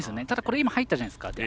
ただ、今は入ったじゃないですか。